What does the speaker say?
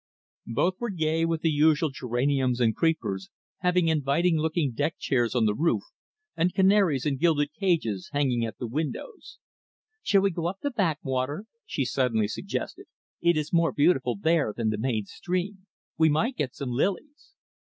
Both were gay with the usual geraniums and creepers, having inviting looking deck chairs on the roof and canaries in gilded cages hanging at the windows. "Shall we go up the backwater?" she suddenly suggested. "It is more beautiful there than the main stream. We might get some lilies."